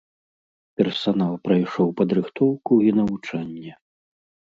Персанал прайшоў падрыхтоўку і навучанне.